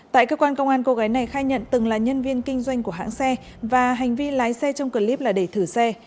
tại cơ quan công an cô gái này khai nhận từng là nhân viên kinh doanh của hãng xe và hành vi lái xe trong clip là để thử xe